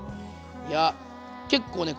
いや結構ね